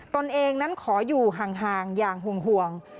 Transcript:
ตนเองนั้นขออยู่ห่างอย่างห่วง